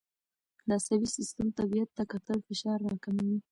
د عصبي سیستم طبیعت ته کتل فشار راکموي.